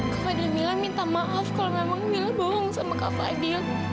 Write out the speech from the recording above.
kak fadil mila minta maaf kalau memang mila bohong sama kak fadil